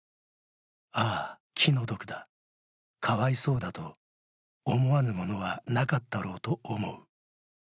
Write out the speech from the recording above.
ああ、気の毒だ、かわいそうだと思わぬものはなかったろうと思う。